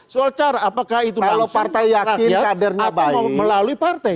soal cara apakah itu langsung rakyat atau melalui partai